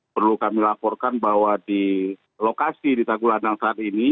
perlu kami laporkan bahwa di lokasi di tanggulandang saat ini